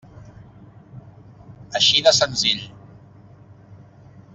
Així de senzill.